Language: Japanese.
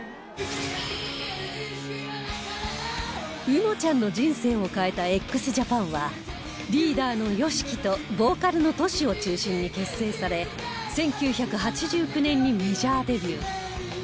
うのちゃんの人生を変えた ＸＪＡＰＡＮ はリーダーの ＹＯＳＨＩＫＩ とボーカルの Ｔｏｓｈｌ を中心に結成され１９８９年にメジャーデビュー